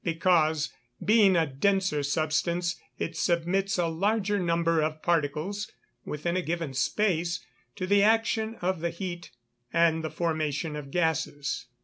_ Because, being a denser substance, it submits a larger number of particles, within a given space, to the action of the heat, and the formation of gases.